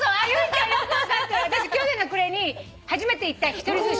私去年の暮れに初めて行った一人ずし。